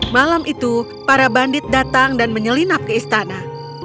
malam itu para bandit datang dan menyelinap ke istana